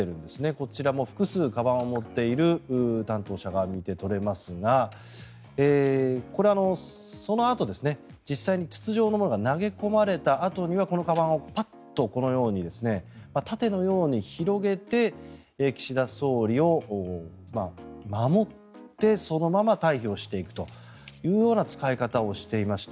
こちらも複数かばんを持っている担当者が見て取れますがこれはそのあと実際に筒状のものが投げ込まれたあとにはこのかばんをパッとこのように盾のように広げて岸田総理を守ってそのまま退避をしていくという使い方をしていました。